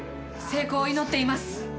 成功を祈っています。